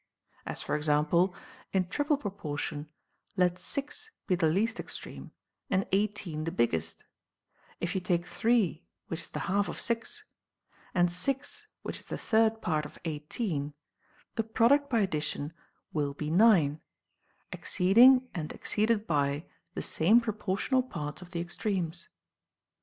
As for example, in triple pro portion, let 6 be the least extreme, and 18 the biggest ; if you take 3 which is the half of 6, and 6 which is the third part of 18, the product by addition will be 9, exceeding and exceeded by the same proportional parts of the ex tremes.